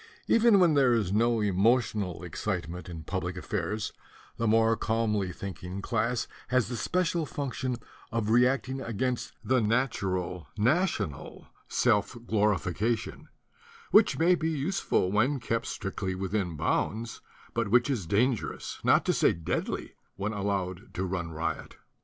Even when there is no emotional excitement in public affairs, the more calmly thinking class has the special function of reacting against the nat ural national self glorification, which may be useful, when kept strictly within bounds, but which is dangerous, not to say deadly, when al lowed to run riot.